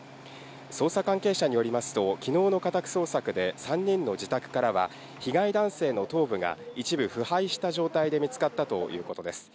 捜査関係者によりますと、きのうの家宅捜索で３人の自宅からは、被害男性の頭部が一部腐敗した状態で見つかったということです。